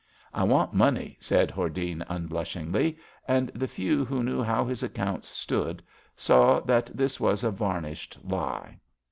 *' I want money," said Hordene unblushingly, and the few who knew how his accounts stood saw that this was a varnished lie.